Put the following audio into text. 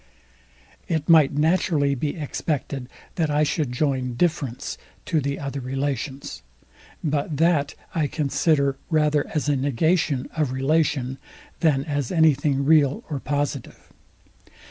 It might naturally be expected, that I should join DIFFERENCE to the other relations. But that I consider rather as a negation of relation, than as anything real or positive.